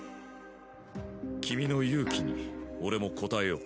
君の勇気に俺も応えよう。